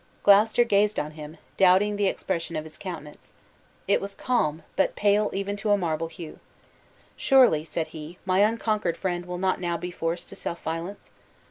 Gloucester gazed on him, doubting the expression of his countenance. It was calm, but pale even to a marble hue. "Surely," said he, "my unconquered friend will not now be forced to self violence?"